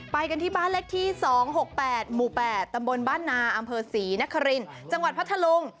ไปกันที่บ้านเลขที่๒๖๘หมู่๘ตำบลบ้านนาอำเภอศรีนครินจังหวัดพัทธลุง